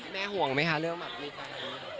แม่ห่วงไหมค่ะเรื่องแบบมีก้อนอะไรอย่างนี้